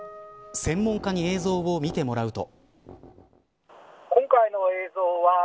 専門家に映像を見てもらうと。